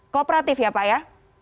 kooperatif ya pak ya